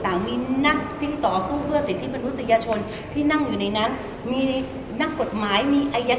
ของนักที่ต่อสู้เพื่อสิทธิ์ในนั้นมีหนักปกติ